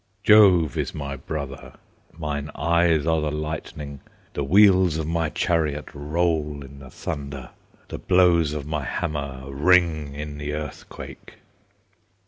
Jove is my brother; Mine eyes are the lightning; The wheels of my chariot Roll in the thunder, The blows of my hammer Ring in the earthquake!